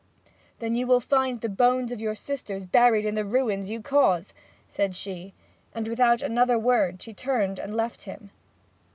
'Then you will find the bones of your sister buried in the ruins you cause!' said she. And without another word she turned and left him.